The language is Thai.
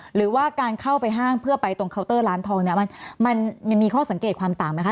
หรือว่าการเข้าไปห้างเพื่อไปตรงเคาน์เตอร์ร้านทองเนี่ยมันมีข้อสังเกตความต่างไหมค